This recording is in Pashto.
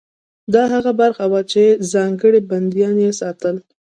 دا هغه برخه وه چې ځانګړي بندیان یې ساتل.